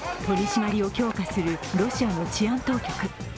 取り締まりを強化するロシアの治安当局。